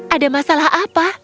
ada masalah apa